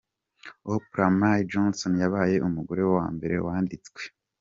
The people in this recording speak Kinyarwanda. Opha May Johnson yabaye umugore wa mbere wanditswe.